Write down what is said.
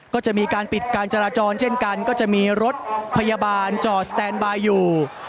ก็จะมีการปิดการจราจรเช่นกันก็จะมีรถพยาบาลจอดสแตนบายอยู่